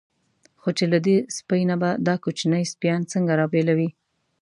خو چې له دې سپۍ نه به دا کوچني سپیان څنګه را بېلوي.